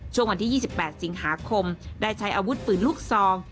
ช่วงวันที่๒๘สิงหาคมได้ใช้อาวุธปืนลูกซอง